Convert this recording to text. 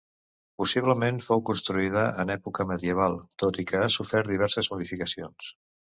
Possiblement fou construïda en època medieval tot i que ha sofert diverses modificacions.